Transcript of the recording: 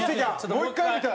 もう１回見たい！